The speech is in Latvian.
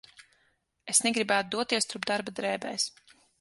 Es negribētu doties turp darba drēbēs.